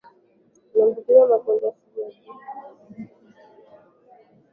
na walioambukizwa magonjwa sugu yasiotibika nasi